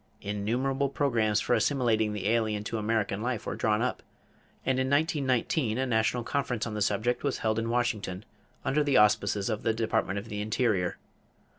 Innumerable programs for assimilating the alien to American life were drawn up, and in 1919 a national conference on the subject was held in Washington under the auspices of the Department of the Interior.